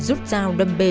rút dao đâm bê